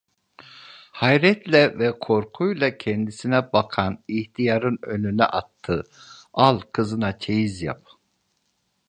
Hayretle ve korkuyla kendisine bakan ihtiyarın önüne attı: - Al kızına çeyiz yap…